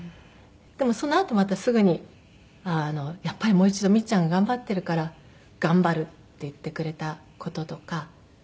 でもそのあとまたすぐに「やっぱりもう一度みっちゃんが頑張ってるから頑張る」って言ってくれた事とか。